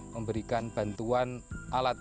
memberikan bantuan alat